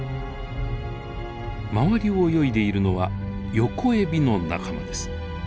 周りを泳いでいるのはヨコエビの仲間です。